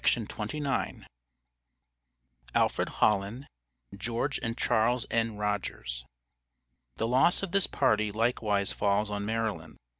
ALFRED HOLLON, GEORGE AND CHARLES N. RODGERS. The loss of this party likewise falls on Maryland.